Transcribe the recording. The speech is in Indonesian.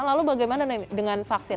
lalu bagaimana dengan